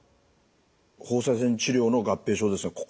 放射線治療の合併症ですね。